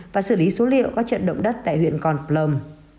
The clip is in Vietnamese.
và xử lý số liệu các trận động đất tại huyện con plong